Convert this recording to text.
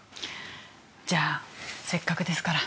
◆じゃあ、せっかくですから。